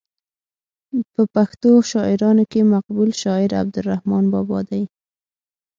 په پښتو شاعرانو کې مقبول شاعر عبدالرحمان بابا دی.